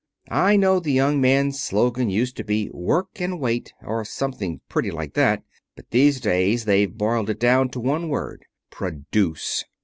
I know the young man's slogan used to be 'Work and Wait,' or something pretty like that. But these days they've boiled it down to one word 'Produce'!"